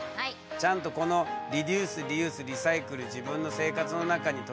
ちゃんとこのリデュースリユースリサイクル自分の生活の中に取り入れてるかな？